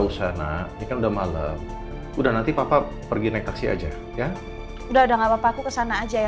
udah udah gak apa apa aku kesana aja ya